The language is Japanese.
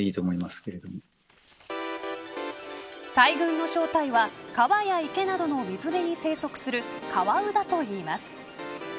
大群の正体は川や池などの水辺に生息するカワウだといいます。